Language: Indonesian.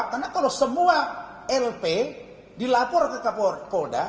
karena kalau semua lp dilapor ke polres